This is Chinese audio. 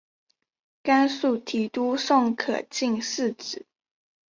甘肃提督宋可进嗣子。